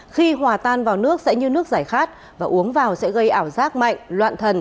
khi hòa tan vào nước sẽ như nước giải khát và uống vào sẽ gây ảo giác mạnh loạn thần